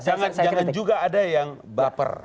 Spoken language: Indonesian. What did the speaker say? jangan juga ada yang baper